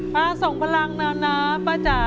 พาส่งพลังแล้วนะพ่อจ๋า